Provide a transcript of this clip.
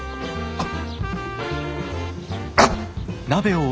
あっ！